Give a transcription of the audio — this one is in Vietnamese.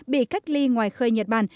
bị cách ly ngoài khơi nhật bản